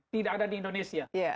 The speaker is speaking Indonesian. tidak ada di indonesia